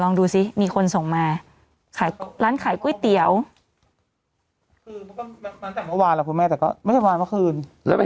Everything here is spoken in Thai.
ลองดูซิมีคนส่งมาขายร้านขายก๋วยเตี๋ยวมนุษยหวานแล้วมันเมื่อเปิดแล้ว